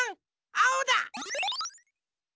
あおだ！